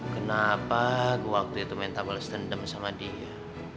kenapa gue waktu itu minta bales dendam sama dia